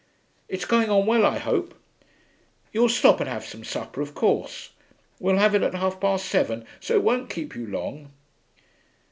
It's going on well, I hope? You'll stop and have some supper, of course? We have it at half past seven, so it won't keep you long.'